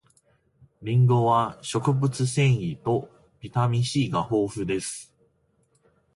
りんごは食物繊維とビタミン C が豊富です